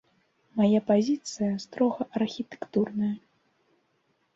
Мая пазіцыя строга архітэктурная.